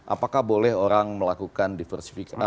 apakah boleh orang melakukan diversifikasi